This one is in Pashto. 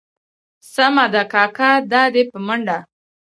سمه ده کاکا دا دي په منډه.